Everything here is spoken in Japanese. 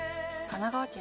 神奈川県。